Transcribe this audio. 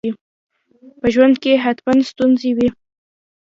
په ژوند کي حتماً ستونزي وي.